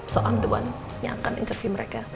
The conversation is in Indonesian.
so on the one yang akan interview mereka